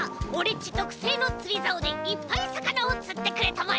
ちとくせいのつりざおでいっぱいさかなをつってくれたまえ！